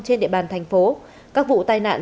trên địa bàn thành phố các vụ tai nạn